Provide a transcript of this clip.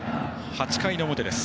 ８回の表です。